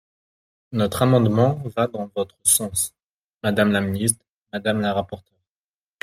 Notre amendement va dans votre sens, madame la ministre, madame la rapporteure.